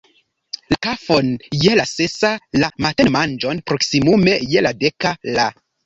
La kafon je la sesa, la matenmanĝon proksimume je la deka, la